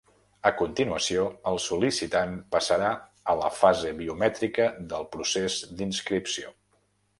A continuació, el sol·licitant passarà a la fase biomètrica del procés d'inscripció.